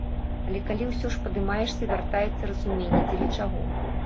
Але калі ўсё ж падымаешся, вяртаецца разуменне, дзеля чаго?